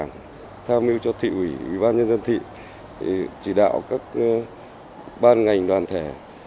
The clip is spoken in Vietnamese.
công an thị xã quế võ tham mưu cho thị ủy ủy ban nhân dân thị chỉ đạo các ban ngành đoàn thể